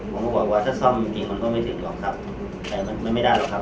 ผมก็บอกว่าถ้าซ่อมจริงมันก็ไม่ถึงหรอกครับแต่มันไม่ได้หรอกครับ